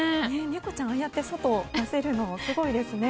猫ちゃん、ああやって外に出せるのもすごいですね。